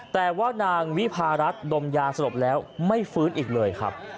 แต่ว่านางวิพารัฐดมยาสลบแล้วไม่ฟื้นอีกเลยครับ